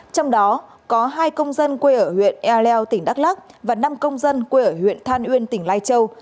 trong đó có hai công dân quê ở huyện ea leo tỉnh đắk lắc và năm công dân quê ở huyện than uyên tỉnh lai châu